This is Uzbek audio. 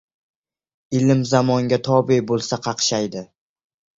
Ilm zamonga tobe’ bo‘lsa – qaqshaydi.